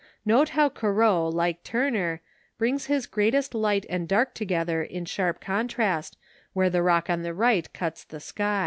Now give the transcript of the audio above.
Note how Corot, like Turner, brings his greatest light and dark together in sharp contrast where the rock on the right cuts the sky.